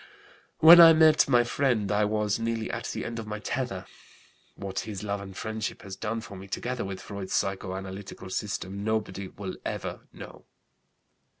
When I met my friend I was nearly at the end of my tether. What his love and friendship has done for me, together with Freud's psychoanalytical system, nobody will ever know.